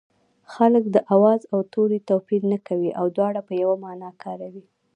خلک د آواز او توري توپیر نه کوي او دواړه په یوه مانا کاروي